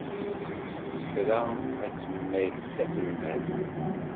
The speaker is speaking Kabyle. Tra ad temmag d taselmadt